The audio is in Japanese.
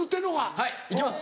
はい行きます。